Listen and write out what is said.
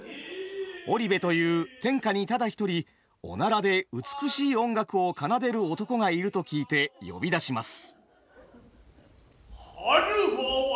織部という天下にただ一人おならで美しい音楽を奏でる男がいると聞いて呼び出します。